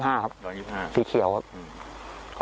๑๒๕ครับสีเขียวครับ